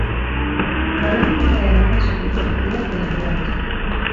Mwanamuke naye ana pashwa kujua haki yake ya viwanja